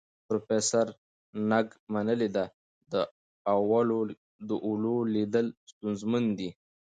پروفیسور نګ منلې ده، د اولو لیدل ستونزمن دي.